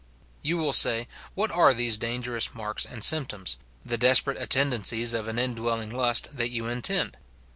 You will say, "What are these dangerous marks and symptoms, the desperate attendancies of an indwelling lust, that you intend